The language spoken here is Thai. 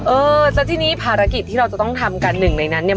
เออแล้วทีนี้ภารกิจที่เราจะต้องทำกันหนึ่งในนั้นเนี่ย